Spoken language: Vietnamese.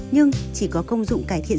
nhưng chỉ có công dụng cải thiện